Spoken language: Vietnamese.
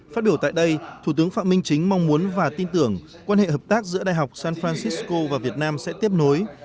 phát biểu tại đây thủ tướng phạm minh chính mong muốn và tin tưởng quan hệ hợp tác giữa đại học san francisco và việt nam sẽ tiếp nối